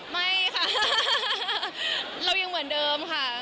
ไม่ค่ะเรายังเหมือนเดิมค่ะ